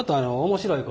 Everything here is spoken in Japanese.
面白い？